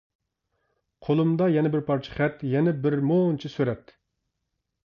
قولۇمدا يەنە بىر پارچە خەت، يەنە بىر مۇنچە سۈرەت.